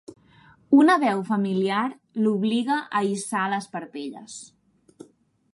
Una veu familiar l'obliga a hissar les parpelles.